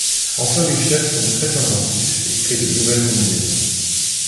Enfin, les chefs sont très inventifs et créent de nouvelles combinaisons.